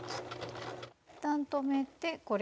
一旦止めてこれを。